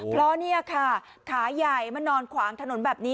เพราะนี่ค่ะขาใหญ่มานอนขวางถนนแบบนี้